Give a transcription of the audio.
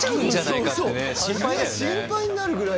心配になるくらい。